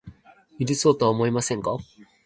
許そうとは思いませんか